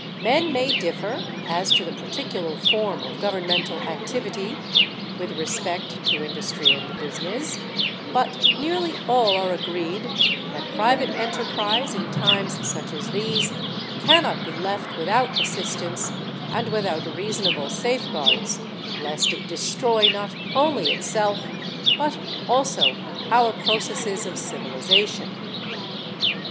Men may differ as to the particular form of governmental activity with respect to industry and business, but nearly all are agreed that private enterprise in times such as these cannot be left without assistance and without reasonable safeguards lest it destroy not only itself but also our processes of civilization.